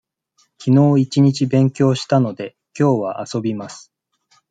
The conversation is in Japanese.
きのう一日勉強したので、きょうは遊びます。